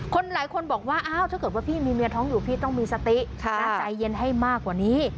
หลายคนบอกว่าอ้าวถ้าเกิดว่าพี่มีเมียท้องอยู่พี่ต้องมีสติใจเย็นให้มากกว่านี้